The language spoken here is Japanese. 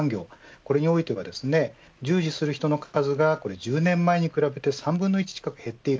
これにおいては従事する人の数が１０年前に比べて３分の１近く減っている。